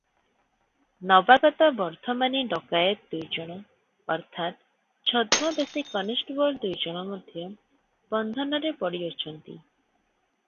ନବାଗତ ବର୍ଦ୍ଧମାନୀ ଡକାଏତ ଦୁଇଜଣ ଅର୍ଥାତ୍ ଛଦ୍ମବେଶୀ କନେଷ୍ଟବଳ ଦୁଇଜଣ ମଧ୍ୟ ବନ୍ଧନରେ ପଡ଼ିଅଛନ୍ତି ।